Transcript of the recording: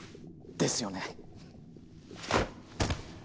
ですよね